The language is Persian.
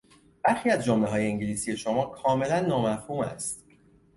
برخی از جملههای انگلیسی شما کاملا نامفهوم است.